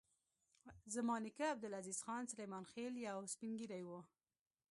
زما نیکه عبدالعزیز خان سلیمان خېل یو سپین ږیری و.